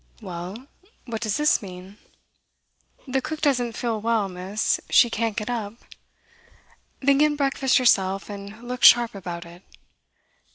'Well? what does this mean?' 'The cook doesn't feel well, miss; she can't get up.' 'Then get breakfast yourself, and look sharp about it.